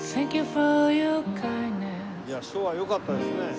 いや書はよかったですね。